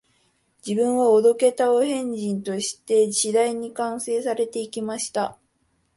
自分はお道化たお変人として、次第に完成されて行きました